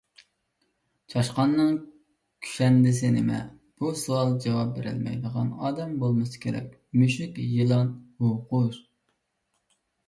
چاشقاننىڭ كۈشەندىسى نېمە؟ بۇ سوئالغان جاۋاب بېرەلمەيدىغان ئادەم بولمىسا كېرەك: مۈشۈك، يىلان، ھۇۋقۇش.